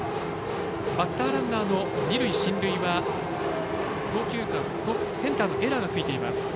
バッターランナーの二塁進塁はセンターのエラーがついています。